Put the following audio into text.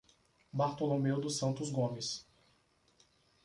Bartolomeu dos Santos Gomes